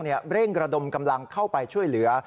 เร่งระดมกำลังเข้าไปช่วยเหลือ